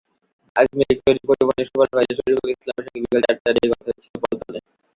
Ajmeri glory পরিবহনের supervisor Shariful ইসলামের সঙ্গে বিকেল চারটার দিকে কথা হচ্ছিল পল্টনে।